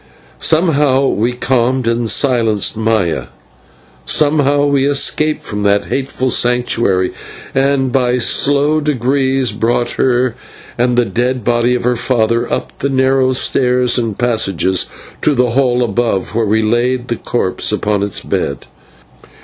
Somehow we calmed and silenced Maya; somehow we escaped from that hateful Sanctuary, and by slow degrees brought her and the dead body of her father up the narrow stairs and passages to the hall above, where we laid the corpse upon its bed.